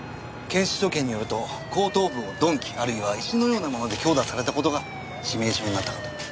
検視所見によると後頭部を鈍器あるいは石のようなもので強打された事が致命傷になったかと。